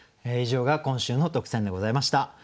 以上が今週の特選でございました。